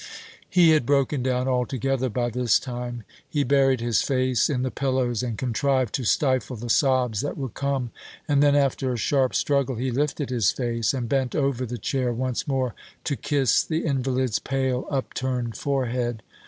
He had broken down altogether by this time. He buried his face in the pillows, and contrived to stifle the sobs that would come; and then, after a sharp struggle, he lifted his face, and bent over the chair once more to kiss the invalid's pale upturned forehead.